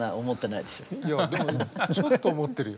いやちょっと思ってるよ。